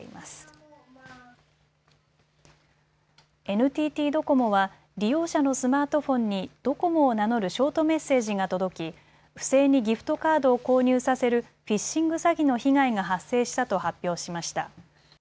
ＮＴＴドコモは利用者のスマートフォンにドコモを名乗るショートメッセージが届き不正にギフトカードを購入させるフィッシング詐欺の被害が発生したと発表しました。